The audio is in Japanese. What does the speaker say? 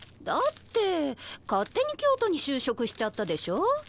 だって勝手に京都に就職しちゃったでしょ？